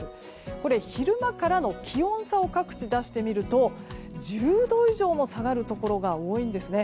各地の昼間からの気温差を出してみると１０度以上も下がるところが多いんですね。